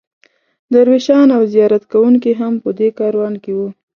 درویشان او زیارت کوونکي هم په دې کاروان کې وو.